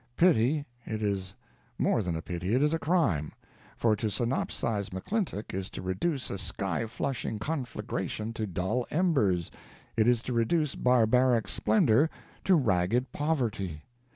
Pity! it is more than a pity, it is a crime; for to synopsize McClintock is to reduce a sky flushing conflagration to dull embers, it is to reduce barbaric splendor to ragged poverty.